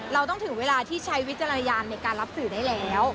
เราต้องถึงเวลาที่ใช้วิจารณญาณในการรับสื่อได้แล้ว